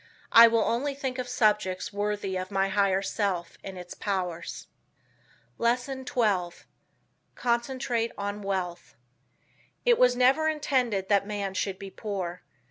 I will only think of subjects worthy of my higher self and its powers. LESSON XII. CONCENTRATE ON WEALTH It was never intended that man should be poor.